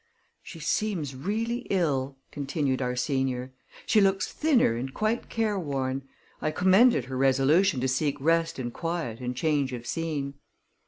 "She seems really ill," continued our senior. "She looks thinner and quite careworn. I commended her resolution to seek rest and quiet and change of scene."